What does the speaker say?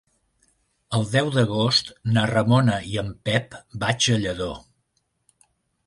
El deu d'agost na Ramona i en Pep vaig a Lladó.